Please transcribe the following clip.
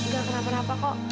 gak kenapa kenapa kok